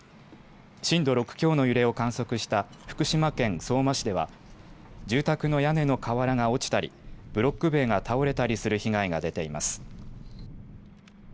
震度６強の揺れを観測した福島県相馬市では住宅の屋根の瓦が落ちたりブロック塀が倒れたりする被害が出ています。